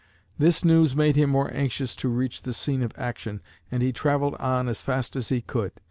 This news made him more anxious to reach the scene of action and he traveled on as fast as he could.